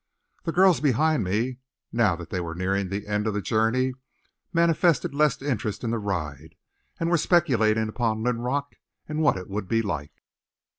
The girls behind me, now that they were nearing the end of the journey, manifested less interest in the ride, and were speculating upon Linrock, and what it would be like.